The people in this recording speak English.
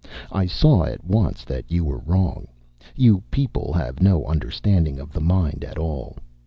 I saw at once that you were wrong; you people have no understanding of the mind at all.